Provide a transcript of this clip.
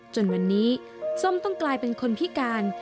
จนวันนี้ส้มต้องกลายเป็นคนพิการ